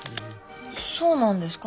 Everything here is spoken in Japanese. そうなんですか？